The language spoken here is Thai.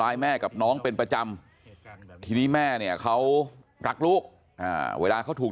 แม่กับน้องเป็นประจำทีนี้แม่เนี่ยเขารักลูกเวลาเขาถูก